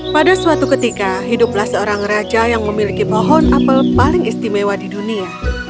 pada suatu ketika hiduplah seorang raja yang memiliki pohon apel paling istimewa di dunia